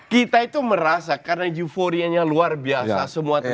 kita itu merasa karena euforianya luar biasa semua terjadi